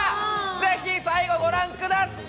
ぜひ最後、ご覧ください。